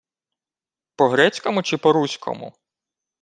— По-грецькому чи по-руському?